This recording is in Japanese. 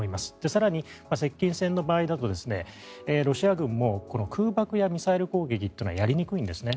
更に、接近戦の場合だとロシア軍も空爆やミサイル攻撃というのはやりにくいんですね。